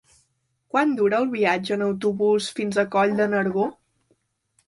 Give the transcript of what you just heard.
Quant dura el viatge en autobús fins a Coll de Nargó?